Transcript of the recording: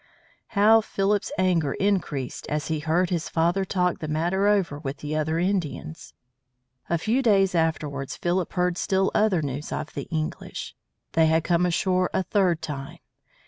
How Philip's anger increased as he heard his father talk the matter over with the other Indians! A few days afterwards Philip heard still other news of the English. They had come ashore a third time.